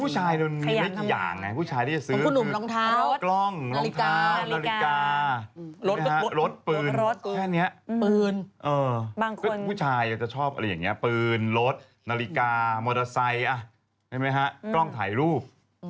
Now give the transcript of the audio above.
พุ่ยบางคนมีกี่อย่างนะคุณหนุ่มรองเท้ากล้องรองเท้านาฬิการถปืนนาฬิกามอเตอร์ไซส์กล้องถ่ายรูป